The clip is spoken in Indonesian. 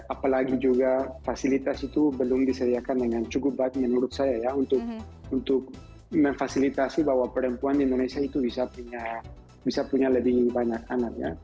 apalagi juga fasilitas itu belum disediakan dengan cukup baik menurut saya ya untuk memfasilitasi bahwa perempuan di indonesia itu bisa punya lebih banyak anak ya